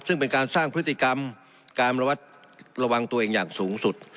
ซึ่งเป็นการสร้างพฤติกรรมการระวังตัวเองอย่างสูงสุด